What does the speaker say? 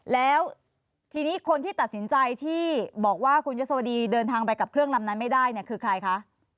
แล้วทีนี้คนที่ตัดสินใจที่บอกว่าคุณยศวดีเดินทางไปกับเครื่องลำนั้นไม่ได้เนี่ยคือใครคะ